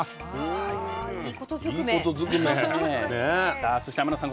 さあそして天野さん